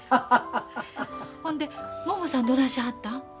ほんでももさんどないしはったん？